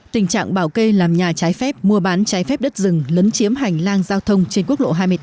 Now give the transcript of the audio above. tình trạng bảo kê làm nhà trái phép mua bán trái phép đất rừng lấn chiếm hành lang giao thông trên quốc lộ hai mươi tám